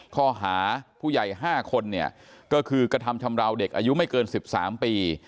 ข้อหาผู้ใหญ่๕คนเนี่ยก็คือกระทำชำราวเด็กอายุไม่เกิน๑๓ปี